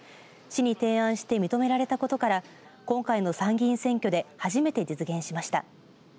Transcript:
市に提案して認められたことから今回の参議院選挙で初めて実現しました。